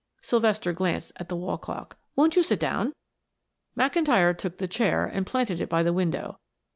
Sylvester glanced at the wall clock. "Won't you sit down?" McIntyre took the chair and planted it by the window.